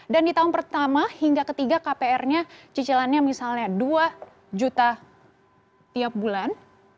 dan di tahun pertama hingga ketiga kpr nya cicilannya misalnya dua juta tiap bulan